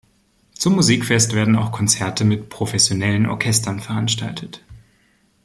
Zum Musikfest werden auch Konzerte mit professionellen Orchestern veranstaltet.